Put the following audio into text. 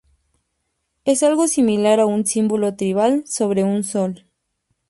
Es algo similar a un símbolo tribal sobre un sol.